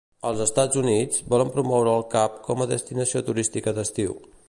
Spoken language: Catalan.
Als Estats Units, volen promoure el Cap com a destinació turística d'estiu.